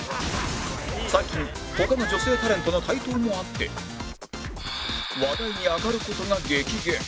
最近他の女性タレントの台頭もあって話題にあがる事が激減